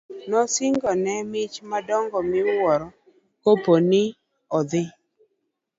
Ne osingne mich madongo miwuoro kapo ni ne odhi